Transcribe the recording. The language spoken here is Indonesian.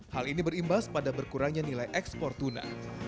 hal ini berimbas pada berkurangnya nilai ekspor tuna